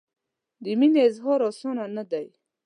د مینې اظهار اسانه نه دی.